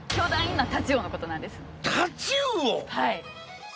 はい。